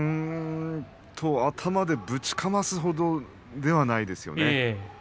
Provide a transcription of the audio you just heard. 頭でぶちかますほどではないですよね。